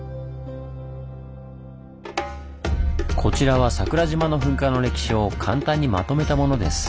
こちらは桜島の噴火の歴史を簡単にまとめたものです。